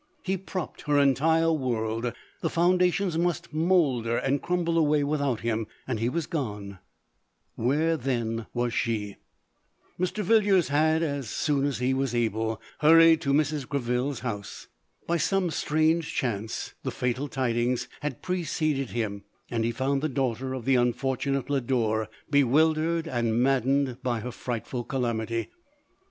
He propped her entire world ; the foundations must moulder and crumble away without him — and he was gone — where then was she ? Mr. Villiers had, as soon as he was able, hurried to Mrs. Greville's house. By some strange chance, the fatal tidings had preceded him, and lie found the daughter of the unfor tunate Lodore bewildered and maddened by her frightful calamity.